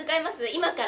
今から。